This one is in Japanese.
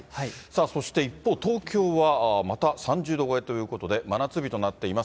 そして一方東京は、また３０度超えということで、真夏日となっています。